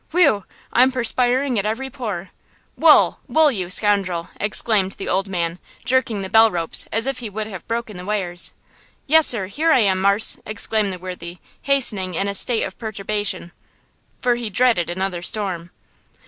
Whew! I'm perspiring at every pore. Wool! Wool, you scoundrel!" exclaimed the old man, jerking the bell rope as if he would have broken the wires. "Yes, sir; here I am, marse," exclaimed the worthy, hastening in in a state of perturbation, for he dreaded another storm.